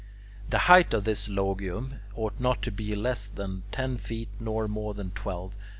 The height of this "logeum" ought to be not less than ten feet nor more than twelve.